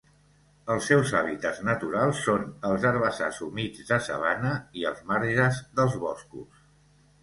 Els seus hàbitats naturals són els herbassars humits de sabana i els marges dels boscos.